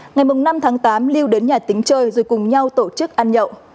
ngày năm tháng tám lưu đến nhà tính chơi rồi cùng nhau tổ chức ăn nhậu